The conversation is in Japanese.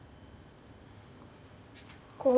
こう？